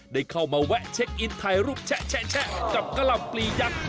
ได้เข้ามาแวะเช็คอินถ่ายรูปแชะกับกะหล่ำปลียักษ์